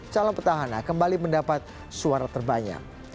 calon petahana kembali mendapat suara terbanyak